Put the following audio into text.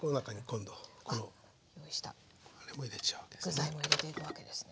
具材も入れていくわけですね。